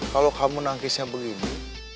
kalau kamu nangkisnya begini